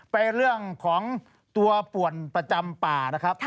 ไปเรื่องของตัวป่วนประจำป่านะครับ